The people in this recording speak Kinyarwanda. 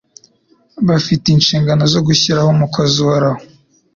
bafite inshingano zo gushyiraho umukozi uhoraho